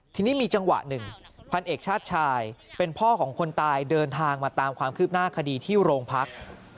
ทีนี้มีจังหวะหนึ่งพันเอกชาติชายเป็นพ่อของคนตายเดินทางมาตามความคืบหน้าคดีที่โรงพัก